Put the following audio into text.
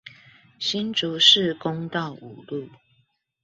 新竹市公道五路